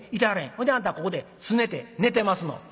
ほいであんたはここですねて寝てますの？